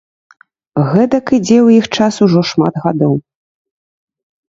Гэтак ідзе ў іх час ужо шмат гадоў.